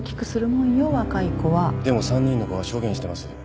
でも３人の子が証言してます。